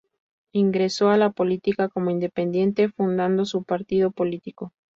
Ingresó a la política como independiente fundando su partido político.